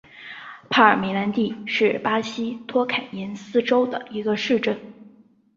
帕尔梅兰蒂是巴西托坎廷斯州的一个市镇。